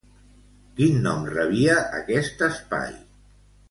Quin nom rebia aquest espai?